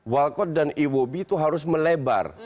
walkot dan iwobi itu harus melebar